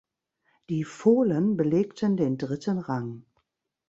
Die "Fohlen" belegten den dritten Rang.